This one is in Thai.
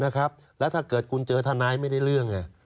แล้วถ้าเกิดคุณเจอทนายไม่ได้เรื่อง